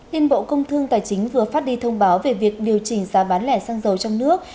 liên bộ công thương tài chính vừa phát đi thông báo về việc điều chỉnh giá bán lẻ xăng dầu trong nước